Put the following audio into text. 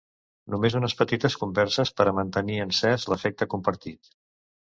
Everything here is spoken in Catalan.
Només unes petites converses per a mantenir encés l’afecte compartit.